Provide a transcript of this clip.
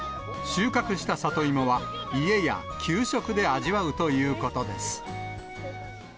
収穫した里芋は、家や給食で味わうということです。